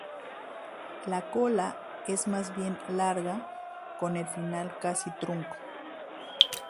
La cola es más bien larga, con el final casi trunco.